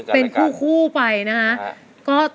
เป็นผู้พูดคู่ไปนะครับ